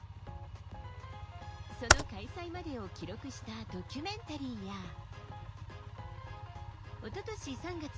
その開催までを記録したドキュメンタリーやおととし３月